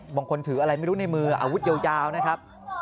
บางคนถืออะไรไม่รู้ในมืออาวุธยาวนะครับ